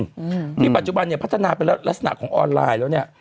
อืมที่ปัจจุบันเนี้ยพัฒนาไปแล้วลักษณะของออนไลน์แล้วเนี้ย